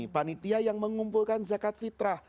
panitia yang mengumpulkan zakat fitrah